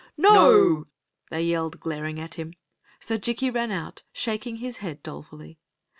"No!" they yelled, glaring at him; so Jikki ran out, shaking his head dolefully.